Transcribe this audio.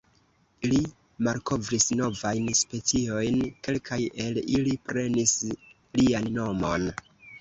Li malkovris novajn speciojn, kelkaj el ili prenis lian nomon.